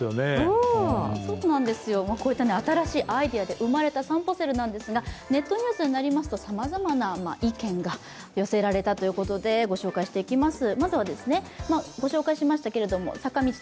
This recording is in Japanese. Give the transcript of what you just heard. こういった新しいアイデアで生まれたさんぽセルなんですがネットニュースになりますとさまざまな意見が寄せられたということでご紹介していきます。